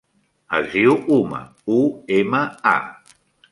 Es diu Uma: u, ema, a.